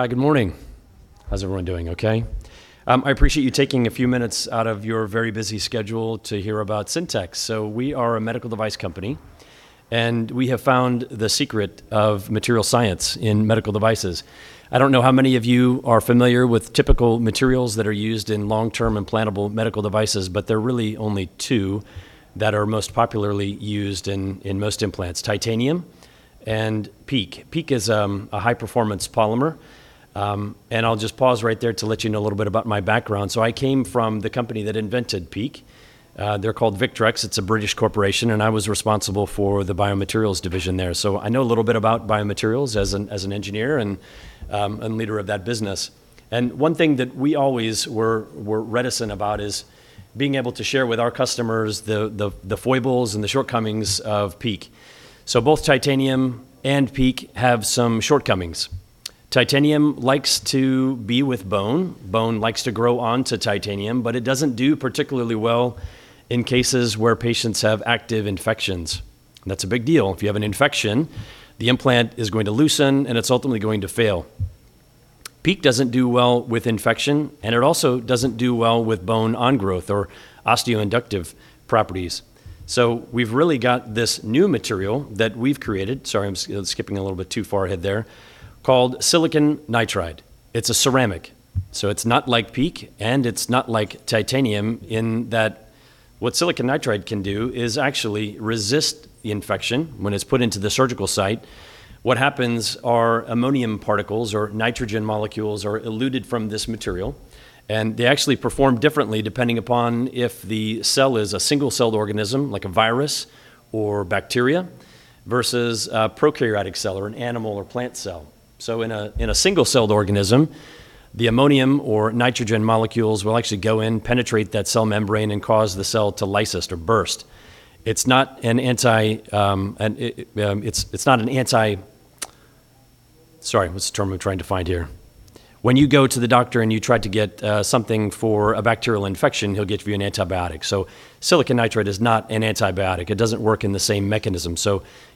Hi, good morning. How's everyone doing? Okay? I appreciate you taking a few minutes out of your very busy schedule to hear about SINTX. We are a medical device company, we have found the secret of material science in medical devices. I don't know how many of you are familiar with typical materials that are used in long-term implantable medical devices, there are really only two that are most popularly used in most implants, titanium and PEEK. PEEK is a high-performance polymer. I'll just pause right there to let you know a little bit about my background. I came from the company that invented PEEK. They're called Victrex. It's a British corporation, and I was responsible for the biomaterials division there. I know a little bit about biomaterials as an engineer and leader of that business. One thing that we always were reticent about is being able to share with our customers the foibles and the shortcomings of PEEK. Both titanium and PEEK have some shortcomings. Titanium likes to be with bone. Bone likes to grow onto titanium, it doesn't do particularly well in cases where patients have active infections. That's a big deal. If you have an infection, the implant is going to loosen, it's ultimately going to fail. PEEK doesn't do well with infection, it also doesn't do well with bone on growth or osteoinductive properties. We've really got this new material that we've created, I'm skipping a little bit too far ahead there, called silicon nitride. It's a ceramic, it's not like PEEK, and it's not like titanium in that what silicon nitride can do is actually resist the infection when it's put into the surgical site. What happens are ammonium particles or nitrogen molecules are eluted from this material, and they actually perform differently depending upon if the cell is a single-celled organism, like a virus or bacteria, versus a eukaryotic cell, or an animal or plant cell. In a single-celled organism, the ammonium or nitrogen molecules will actually go in, penetrate that cell membrane, and cause the cell to lyse or burst. What's the term I'm trying to find here? When you go to the doctor and you try to get something for a bacterial infection, he'll get you an antibiotic. Silicon nitride is not an antibiotic. It doesn't work in the same mechanism.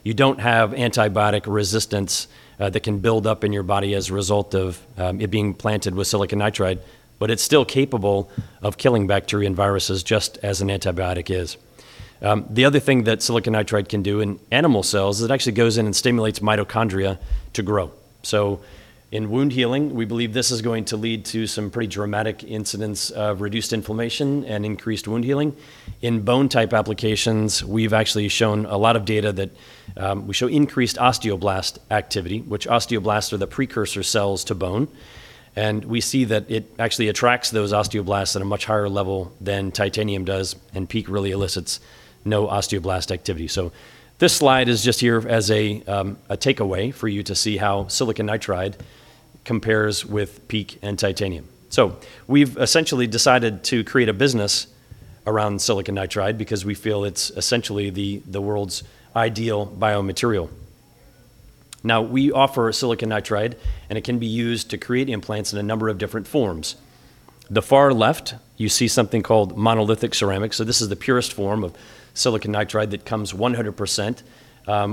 You don't have antibiotic resistance that can build up in your body as a result of it being planted with silicon nitride, it's still capable of killing bacteria and viruses, just as an antibiotic is. The other thing that silicon nitride can do in animal cells is it actually goes in and stimulates mitochondria to grow. In wound healing, we believe this is going to lead to some pretty dramatic incidents of reduced inflammation and increased wound healing. In bone type applications, we've actually shown a lot of data that we show increased osteoblast activity, which osteoblasts are the precursor cells to bone, and we see that it actually attracts those osteoblasts at a much higher level than titanium does, and PEEK really elicits no osteoblast activity. This slide is just here as a takeaway for you to see how silicon nitride compares with PEEK and titanium. We've essentially decided to create a business around silicon nitride because we feel it's essentially the world's ideal biomaterial. Now, we offer silicon nitride, and it can be used to create implants in a number of different forms. On the far left, you see something called monolithic ceramic. This is the purest form of silicon nitride that comes 100%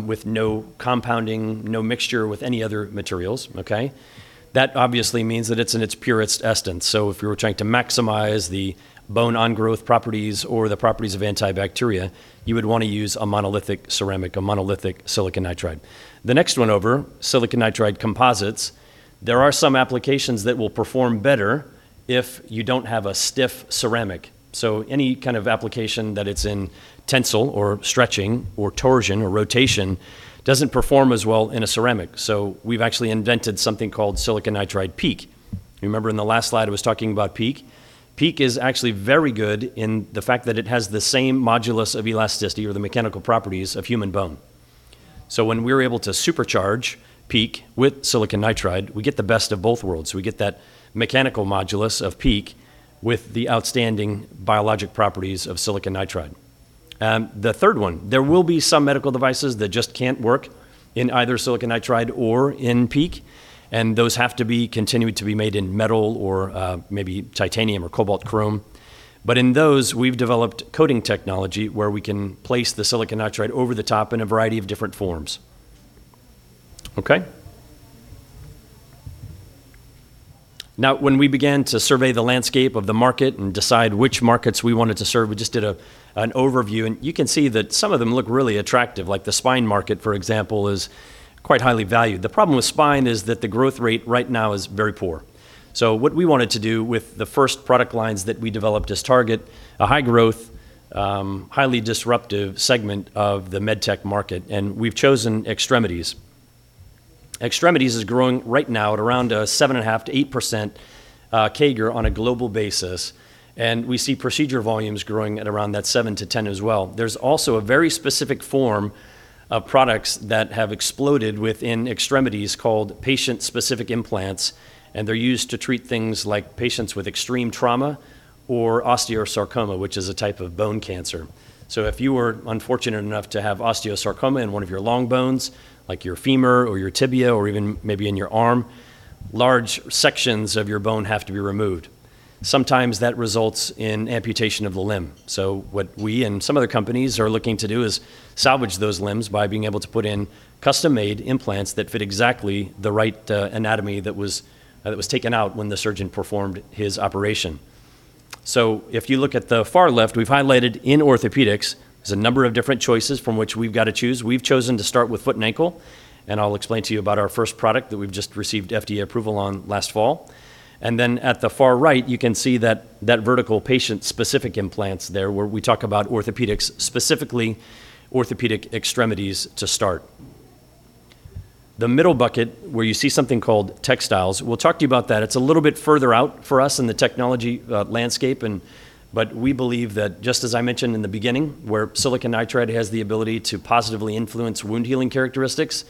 with no compounding, no mixture with any other materials, okay? That obviously means that it's in its purest essence. If we were trying to maximize the bone on-growth properties or the properties of antibacterial, you would want to use a monolithic ceramic, a monolithic silicon nitride. The next one over is silicon nitride composites. There are some applications that will perform better if you don't have a stiff ceramic. Any kind of application that it's in tensile or stretching or torsion or rotation doesn't perform as well in a ceramic. We've actually invented something called silicon nitride-PEEK. You remember in the last slide, I was talking about PEEK. PEEK is actually very good in the fact that it has the same modulus of elasticity or the mechanical properties of human bone. When we're able to supercharge PEEK with silicon nitride, we get the best of both worlds. We get that mechanical modulus of PEEK with the outstanding biologic properties of silicon nitride. The third one, there will be some medical devices that just can't work in either silicon nitride or in PEEK, and those have to be continued to be made in metal or maybe titanium or cobalt-chrome. In those, we've developed coating technology where we can place the silicon nitride over the top in a variety of different forms. Now, when we began to survey the landscape of the market and decide which markets we wanted to serve, we just did an overview, and you can see that some of them look really attractive. The spine market, for example, is quite highly valued. The problem with spine is that the growth rate right now is very poor. What we wanted to do with the first product lines that we developed is target a high growth, highly disruptive segment of the med tech market, and we've chosen extremities. Extremities is growing right now at around 7.5%-8% CAGR on a global basis, and we see procedure volumes growing at around that 7-10 as well. There's also a very specific form of products that have exploded within extremities called patient-specific implants, and they're used to treat things like patients with extreme trauma or osteosarcoma, which is a type of bone cancer. If you were unfortunate enough to have osteosarcoma in one of your long bones, like your femur or your tibia or even maybe in your arm, large sections of your bone have to be removed. Sometimes that results in amputation of the limb. What we and some other companies are looking to do is salvage those limbs by being able to put in custom-made implants that fit exactly the right anatomy that was taken out when the surgeon performed his operation. If you look at the far left, we've highlighted in orthopedics, there's a number of different choices from which we've got to choose. We've chosen to start with foot and ankle, I'll explain to you about our first product that we've just received FDA approval on last fall. At the far right, you can see that that vertical patient-specific implants there, where we talk about orthopedics, specifically orthopedic extremities to start. The middle bucket, where you see something called textiles, we'll talk to you about that. It's a little bit further out for us in the technology landscape, but we believe that just as I mentioned in the beginning, where silicon nitride has the ability to positively influence wound-healing characteristics,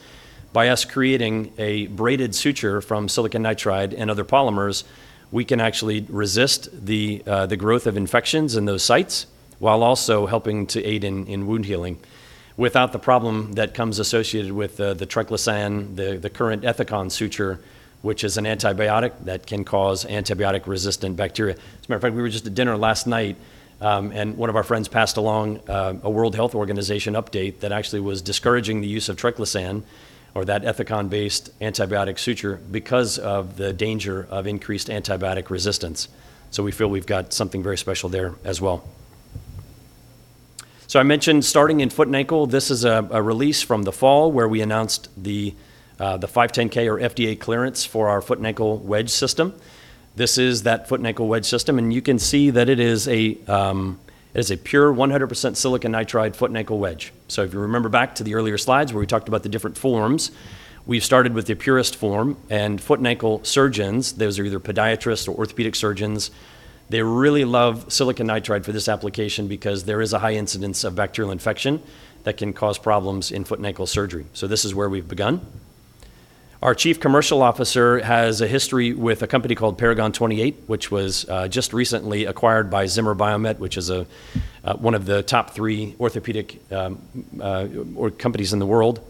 by us creating a braided suture from silicon nitride and other polymers, we can actually resist the growth of infections in those sites, while also helping to aid in wound healing without the problem that comes associated with the triclosan, the current Ethicon suture, which is an antibiotic that can cause antibiotic-resistant bacteria. As a matter of fact, we were just at dinner last night, one of our friends passed along a World Health Organization update that actually was discouraging the use of triclosan or that Ethicon-based antibiotic suture because of the danger of increased antibiotic resistance. We feel we've got something very special there as well. I mentioned starting in foot and ankle. This is a release from the fall where we announced the 510 or FDA clearance for our foot and ankle wedge system. This is that foot and ankle wedge system, and you can see that it is a pure 100% silicon nitride foot and ankle wedge. If you remember back to the earlier slides where we talked about the different forms, we've started with the purest form and foot and ankle surgeons, those are either podiatrists or orthopedic surgeons, they really love silicon nitride for this application because there is a high incidence of bacterial infection that can cause problems in foot and ankle surgery. This is where we've begun. Our chief commercial officer has a history with a company called Paragon 28, which was just recently acquired by Zimmer Biomet, which is one of the top three orthopedic companies in the world.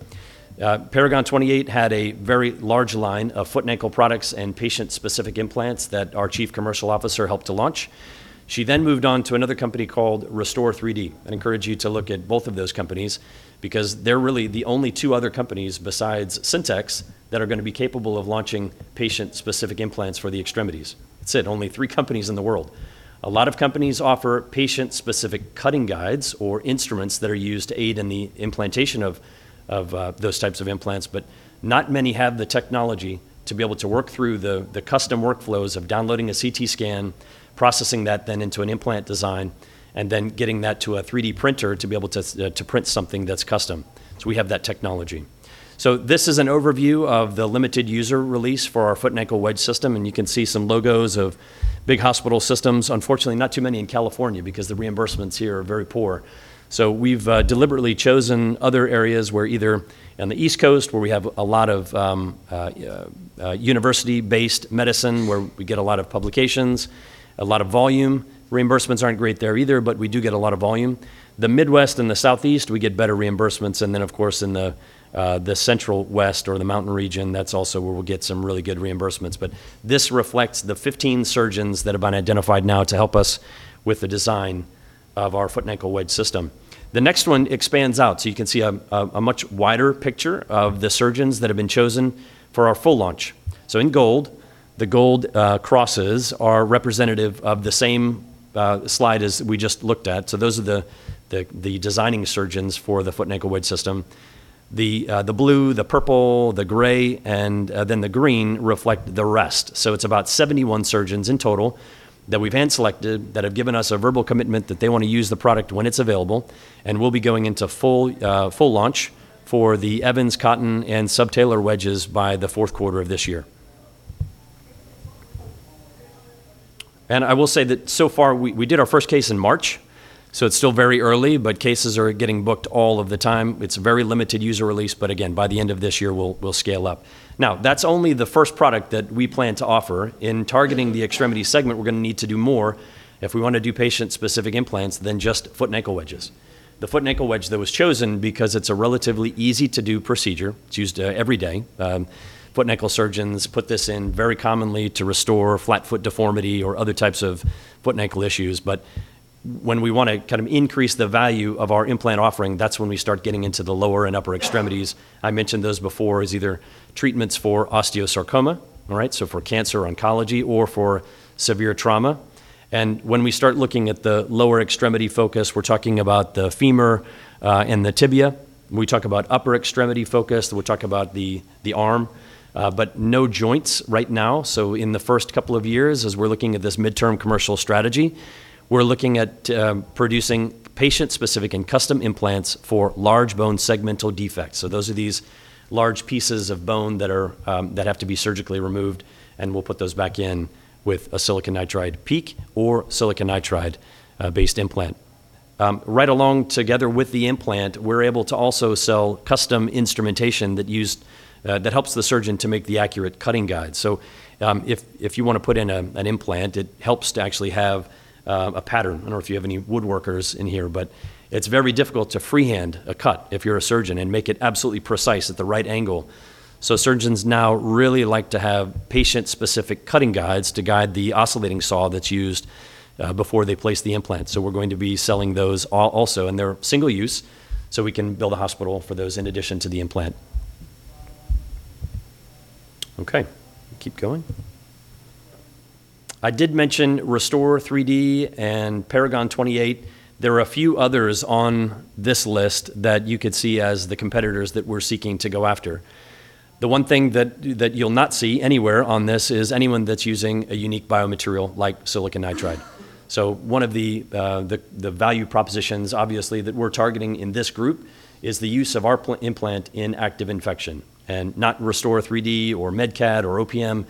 Paragon 28 had a very large line of foot and ankle products and patient-specific implants that our chief commercial officer helped to launch. She moved on to another company called restor3d. I'd encourage you to look at both of those companies because they're really the only two other companies besides SINTX that are going to be capable of launching patient-specific implants for the extremities. That's it. Only three companies in the world. We have that technology. This is an overview of the limited user release for our foot and ankle wedge system, and you can see some logos of big hospital systems. Unfortunately, not too many in California because the reimbursements here are very poor. We've deliberately chosen other areas where either on the East Coast, where we have a lot of university-based medicine, where we get a lot of publications, a lot of volume. Reimbursements aren't great there either. We do get a lot of volume. The Midwest and the Southeast, we get better reimbursements. Of course, in the Central West or the mountain region, that's also where we'll get some really good reimbursements. This reflects the 15 surgeons that have been identified now to help us with the design of our foot and ankle wedge system. The next one expands out. You can see a much wider picture of the surgeons that have been chosen for our full launch. In gold, the gold crosses are representative of the same slide as we just looked at. Those are the designing surgeons for the foot and ankle wedge system. The blue, the purple, the gray, the green reflect the rest. It's about 71 surgeons in total that we've hand selected that have given us a verbal commitment that they want to use the product when it's available, and we'll be going into full launch for the Evans, Cotton, and Subtalar Wedges by the fourth quarter of this year. I will say that so far, we did our first case in March. It's still very early, but cases are getting booked all of the time. It's a very limited user release. Again, by the end of this year, we'll scale up. That's only the first product that we plan to offer. In targeting the extremity segment, we're going to need to do more if we want to do patient-specific implants than just foot and ankle wedges. The foot and ankle wedge, though, was chosen because it's a relatively easy-to-do procedure. It's used every day. Foot and ankle surgeons put this in very commonly to restore flat foot deformity or other types of foot and ankle issues. When we want to increase the value of our implant offering, that's when we start getting into the lower and upper extremities. I mentioned those before as either treatments for osteosarcoma. All right, for cancer, oncology, or for severe trauma. When we start looking at the lower extremity focus, we're talking about the femur and the tibia. We talk about upper extremity focus, we talk about the arm. No joints right now. In the first couple of years, as we're looking at this midterm commercial strategy, we're looking at producing patient-specific and custom implants for large bone segmental defects. Those are these large pieces of bone that have to be surgically removed, and we'll put those back in with a silicon nitride-PEEK or silicon nitride-based implant. Right along together with the implant, we're able to also sell custom instrumentation that helps the surgeon to make the accurate cutting guide. If you want to put in an implant, it helps to actually have a pattern. I don't know if you have any woodworkers in here, but it's very difficult to freehand a cut if you're a surgeon and make it absolutely precise at the right angle. Surgeons now really like to have patient-specific cutting guides to guide the oscillating saw that's used before they place the implant. We're going to be selling those also, and they're single use, so we can bill the hospital for those in addition to the implant. Okay. Keep going. I did mention restor3d and Paragon 28. There are a few others on this list that you could see as the competitors that we're seeking to go after. The one thing that you'll not see anywhere on this is anyone that's using a unique biomaterial like silicon nitride. One of the value propositions, obviously, that we're targeting in this group is the use of our implant in active infection, and not restor3d or MedCAD or OPM.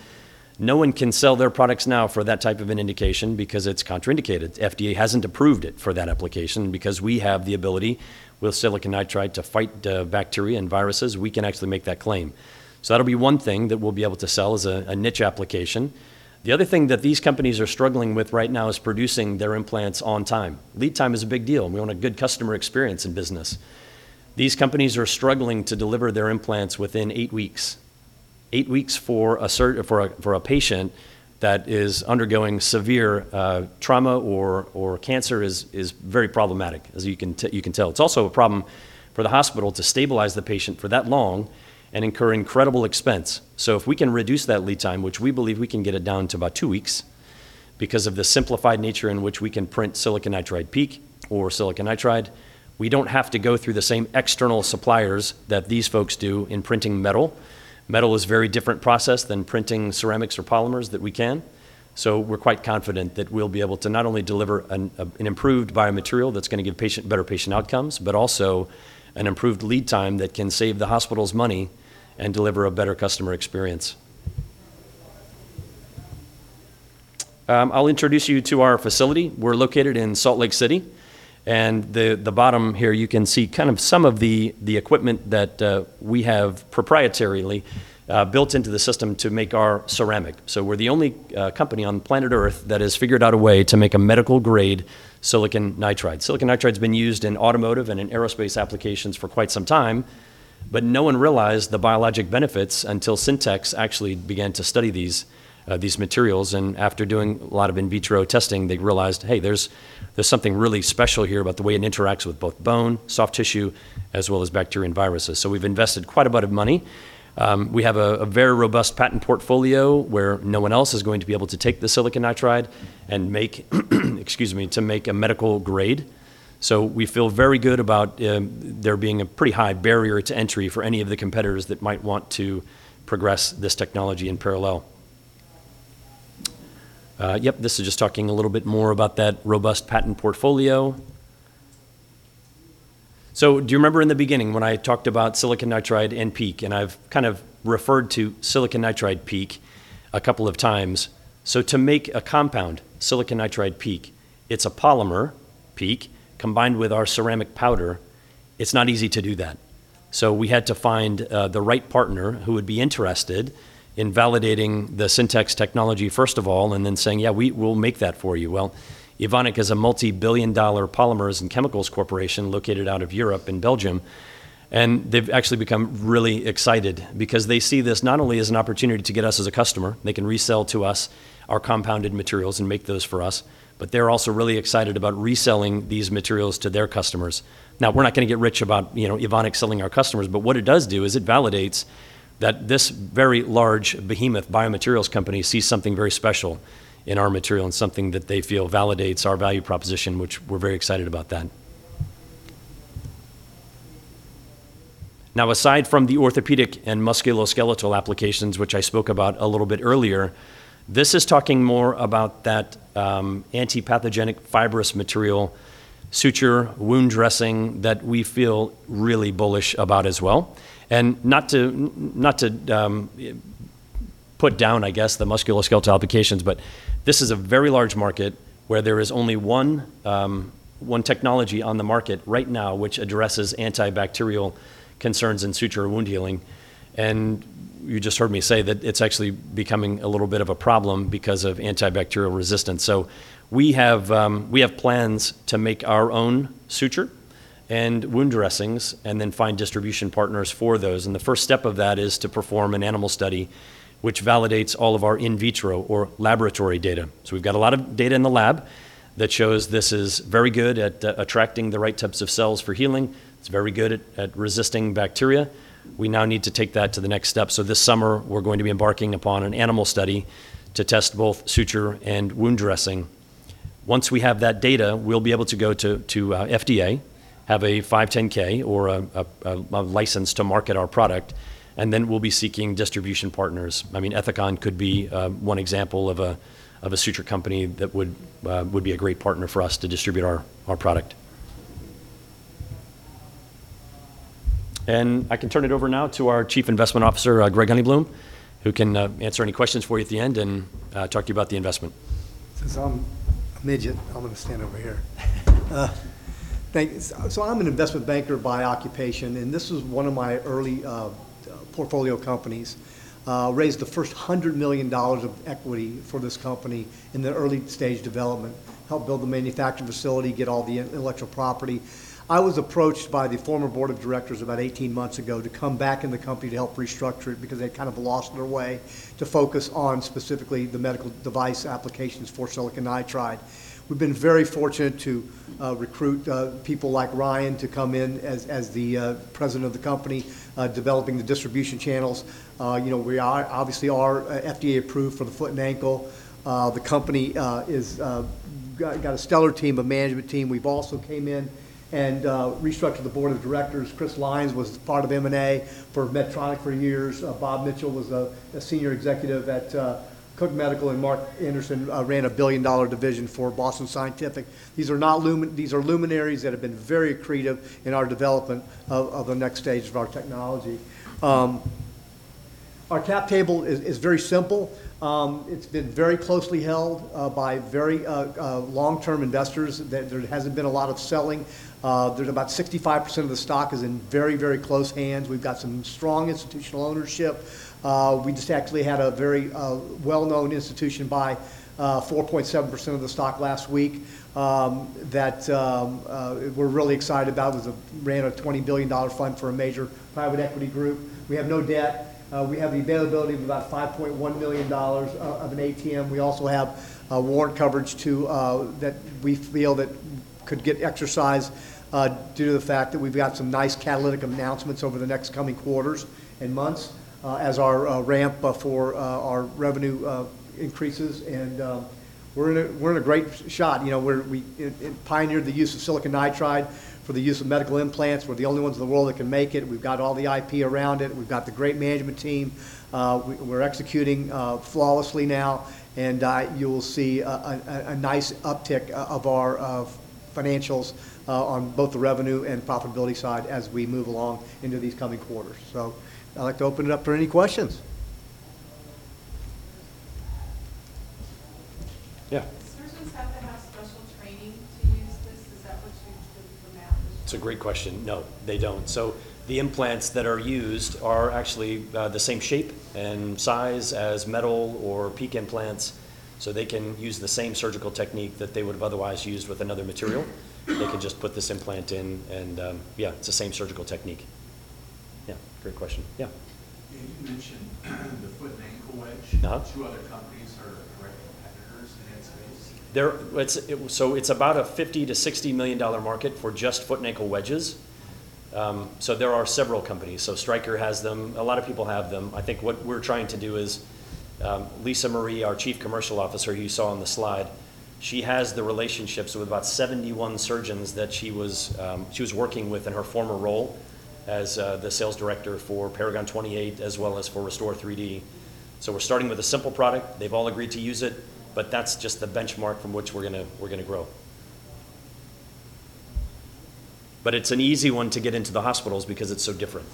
No one can sell their products now for that type of an indication because it's contraindicated. FDA hasn't approved it for that application. Because we have the ability with silicon nitride to fight bacteria and viruses, we can actually make that claim. That'll be one thing that we'll be able to sell as a niche application. The other thing that these companies are struggling with right now is producing their implants on time. Lead time is a big deal, and we want a good customer experience in business. These companies are struggling to deliver their implants within eight weeks. Eight weeks for a patient that is undergoing severe trauma or cancer is very problematic, as you can tell. It's also a problem for the hospital to stabilize the patient for that long and incur incredible expense. If we can reduce that lead time, which we believe we can get it down to about two weeks because of the simplified nature in which we can print silicon nitride-PEEK or silicon nitride, we don't have to go through the same external suppliers that these folks do in printing metal. Metal is a very different process than printing ceramics or polymers that we can. We're quite confident that we'll be able to not only deliver an improved biomaterial that's going to give better patient outcomes, but also an improved lead time that can save the hospitals money and deliver a better customer experience. I'll introduce you to our facility. We're located in Salt Lake City, and the bottom here, you can see some of the equipment that we have proprietarily built into the system to make our ceramic. We're the only company on planet Earth that has figured out a way to make a medical grade silicon nitride. Silicon nitride's been used in automotive and in aerospace applications for quite some time, but no one realized the biologic benefits until SINTX actually began to study these materials, and after doing a lot of in vitro testing, they realized, hey, there's something really special here about the way it interacts with both bone, soft tissue, as well as bacteria and viruses. We've invested quite a bit of money. We have a very robust patent portfolio where no one else is going to be able to take the silicon nitride and make excuse me, to make a medical grade. We feel very good about there being a pretty high barrier to entry for any of the competitors that might want to progress this technology in parallel. Yep. This is just talking a little bit more about that robust patent portfolio. Do you remember in the beginning when I talked about silicon nitride and PEEK, and I've kind of referred to silicon nitride-PEEK a couple of times. To make a compound, silicon nitride-PEEK, it's a polymer, PEEK, combined with our ceramic powder. It's not easy to do that. We had to find the right partner who would be interested in validating the SINTX technology, first of all, and then saying, "Yeah, we will make that for you." Evonik is a multi-billion dollar polymers and chemicals corporation located out of Europe in Belgium, and they've actually become really excited because they see this not only as an opportunity to get us as a customer. They can resell to us our compounded materials and make those for us, but they're also really excited about reselling these materials to their customers. We're not going to get rich about Evonik selling our customers, but what it does do is it validates that this very large behemoth biomaterials company sees something very special in our material and something that they feel validates our value proposition, which we're very excited about that. Aside from the orthopedic and musculoskeletal applications, which I spoke about a little bit earlier, this is talking more about that anti-pathogenic fibrous material, suture, wound dressing that we feel really bullish about as well. Not to put down, I guess, the musculoskeletal applications, but this is a very large market where there is only one technology on the market right now which addresses antibacterial concerns in suture or wound healing. You just heard me say that it's actually becoming a little bit of a problem because of antibacterial resistance. We have plans to make our own suture and wound dressings and then find distribution partners for those, and the first step of that is to perform an animal study which validates all of our in vitro or laboratory data. We've got a lot of data in the lab that shows this is very good at attracting the right types of cells for healing. It's very good at resisting bacteria. We now need to take that to the next step. This summer, we're going to be embarking upon an animal study to test both suture and wound dressing. Once we have that data, we'll be able to go to FDA, have a 510 or a license to market our product, and then we'll be seeking distribution partners. I mean, Ethicon could be one example of a suture company that would be a great partner for us to distribute our product. I can turn it over now to our chief investment officer, Gregg Honigblum, who can answer any questions for you at the end and talk to you about the investment. Since I'm a midget, I'm going to stand over here. Thanks. I'm an investment banker by occupation, and this was one of my early portfolio companies. Raised the first $100 million of equity for this company in the early stage development. Helped build the manufacturing facility, get all the intellectual property. I was approached by the former board of directors about 18 months ago to come back in the company to help restructure it because they'd kind of lost their way to focus on specifically the medical device applications for silicon nitride. We've been very fortunate to recruit people like Ryan to come in as the president of the company, developing the distribution channels. We obviously are FDA approved for the foot and ankle. We've got a stellar team, a management team. We've also came in and restructured the board of directors. Chris Lyons was part of M&A for Medtronic for years. Bob Mitchell was a senior executive at Cook Medical, and Mark Anderson ran a billion-dollar division for Boston Scientific. These are luminaries that have been very creative in our development of the next stage of our technology. Our cap table is very simple. It's been very closely held by very long-term investors. There hasn't been a lot of selling. There's about 65% of the stock is in very close hands. We've got some strong institutional ownership. We just actually had a very well-known institution buy 4.7% of the stock last week that we're really excited about. Ran a $20 billion fund for a major private equity group. We have no debt. We have the availability of about $5.1 million of an ATM. We also have warrant coverage too that we feel that could get exercised due to the fact that we've got some nice catalytic announcements over the next coming quarters and months as our ramp for our revenue increases, we're in a great shot. We pioneered the use of silicon nitride for the use of medical implants. We're the only ones in the world that can make it. We've got all the IP around it. We've got the great management team. We're executing flawlessly now, and you'll see a nice uptick of our financials on both the revenue and profitability side as we move along into these coming quarters. I'd like to open it up for any questions. Yeah. Surgeons have to have special training to use this. Is that what you explained from Matt? It's a great question. No, they don't. The implants that are used are actually the same shape and size as metal or PEEK implants, so they can use the same surgical technique that they would've otherwise used with another material. They can just put this implant in and, yeah, it's the same surgical technique. Yeah, great question. Yeah. You mentioned the foot and ankle wedge. Two other companies are direct competitors in that space. It's about a $50 million-$60 million market for just foot and ankle wedges. There are several companies. Stryker has them, a lot of people have them. I think what we're trying to do is, Lisa Marie, our Chief Commercial Officer you saw on the slide, she has the relationships with about 71 surgeons that she was working with in her former role as the sales director for Paragon 28, as well as for restor3d. We're starting with a simple product. They've all agreed to use it, but that's just the benchmark from which we're going to grow. It's an easy one to get into the hospitals because it's so different.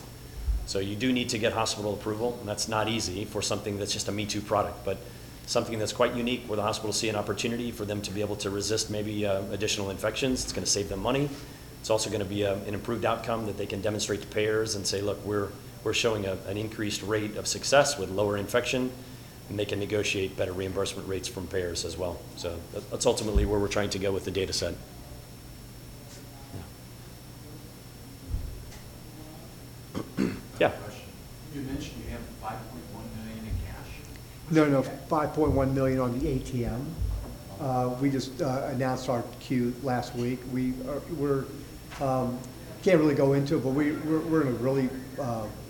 You do need to get hospital approval, and that's not easy for something that's just a me too product, but something that's quite unique where the hospital see an opportunity for them to be able to resist maybe additional infections, it's going to save them money. It's also going to be an improved outcome that they can demonstrate to payers and say, "Look, we're showing an increased rate of success with lower infection," and they can negotiate better reimbursement rates from payers as well. That's ultimately where we're trying to go with the data set. Yeah. Yeah. I have a question. You mentioned you have 5.1 million in cash? No, 5.1 million on the ATM. Okay. We just announced our Q last week. We can't really go into it, but we're in a really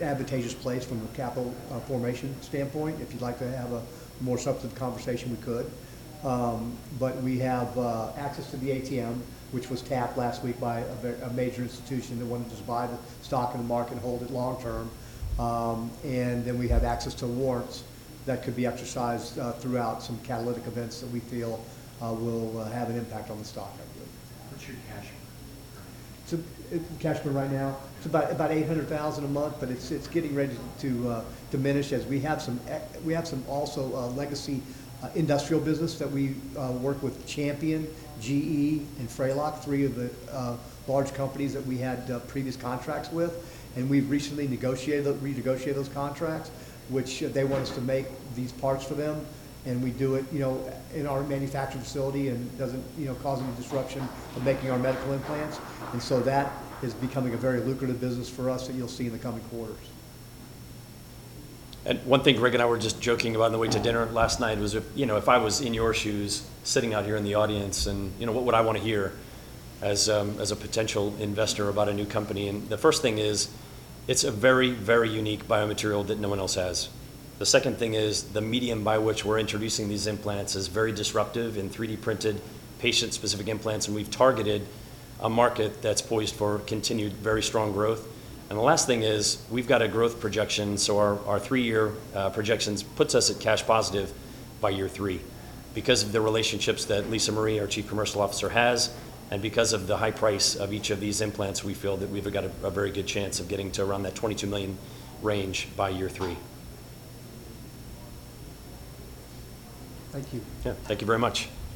advantageous place from a capital formation standpoint. If you'd like to have a more substantive conversation, we could. We have access to the ATM, which was tapped last week by a major institution that wanted to just buy the stock in the market and hold it long term. We have access to warrants that could be exercised throughout some catalytic events that we feel will have an impact on the stock, I believe. What's your cash burn currently? Cash burn right now, it's about 800,000 a month, but it's getting ready to diminish as we have some also legacy industrial business that we work with Champion, GE, and Fralock, three of the large companies that we had previous contracts with, and we've recently renegotiated those contracts, which they want us to make these parts for them, and we do it in our manufacturing facility and doesn't cause any disruption from making our medical implants. That is becoming a very lucrative business for us that you'll see in the coming quarters. One thing Gregg and I were just joking about on the way to dinner last night was if I was in your shoes sitting out here in the audience and what would I want to hear as a potential investor about a new company? The first thing is it's a very unique biomaterial that no one else has. The second thing is the medium by which we're introducing these implants is very disruptive in 3D printed patient-specific implants, and we've targeted a market that's poised for continued very strong growth. The last thing is we've got a growth projection. Our three-year projections puts us at cash positive by year three. Because of the relationships that Lisa Marie, our Chief Commercial Officer has, and because of the high price of each of these implants, we feel that we've got a very good chance of getting to around that $22 million range by year three. Thank you. Yeah. Thank you very much.